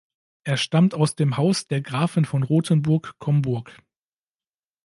Er stammt aus dem Haus der Grafen von Rothenburg-Comburg.